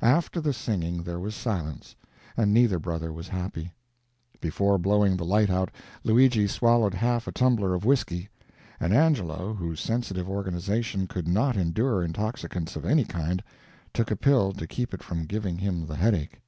After the singing there was silence, and neither brother was happy. Before blowing the light out Luigi swallowed half a tumbler of whisky, and Angelo, whose sensitive organization could not endure intoxicants of any kind, took a pill to keep it from giving him the headache.